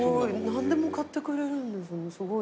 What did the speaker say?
何でも買ってくれるすごいいいですね。